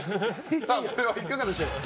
これはいかがでしょう。